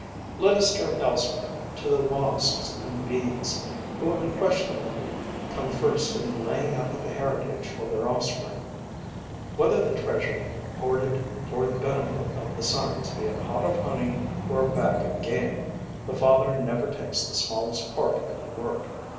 Let us turn elsewhere, to the wasps and bees, who unquestionably come first in the laying up of a heritage for their offspring. Whether the treasure hoarded for the benefit of the sons be a pot of honey or a bag of game, the father never takes the smallest part in the work.